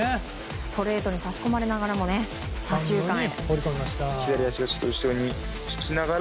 ストレートに差し込まれながらも左中間へ。